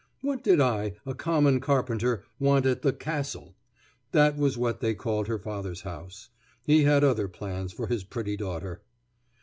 What did I, a common carpenter, want at the "castle"? That was what they called her father's house. He had other plans for his pretty daughter.